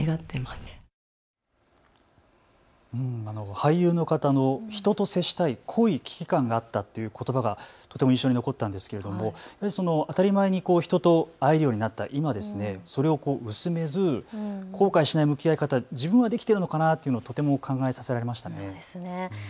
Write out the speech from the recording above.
俳優の方の人と接したい濃い危機感があったということばがとても印象に残ったんですけどその当たり前の人と会えるようになった今、それを薄めず後悔しない向き合い方、自分はどうしているのかな、とても考えさせられました。